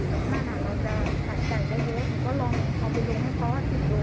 เราจะหักไก่ได้เยอะหรือก็ลองเอาไปลงให้เค้าฮัดสิบเบอร์